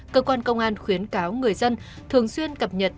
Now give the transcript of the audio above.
cơ quan công an khuyến cáo người dân thường xuyên cập nhật